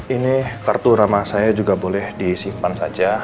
ini kartu ramah saya juga boleh disimpan saja